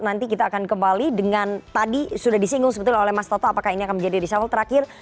nanti kita akan kembali dengan tadi sudah disinggung sebetulnya oleh mas toto apakah ini akan menjadi reshuffle terakhir